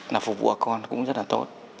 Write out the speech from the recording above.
là phục vụ ở con cũng rất là tốt